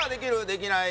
できない？